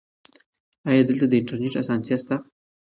ایا دلته د انټرنیټ اسانتیا شته؟